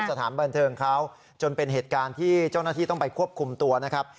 สถานบันเทิงเขาจนเป็นเหตุการณ์ที่เจ้าหน้าที่ต้องไปควบคุมตัวนะครับ